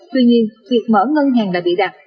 tuy nhiên việc mở ngân hàng đã bị đặt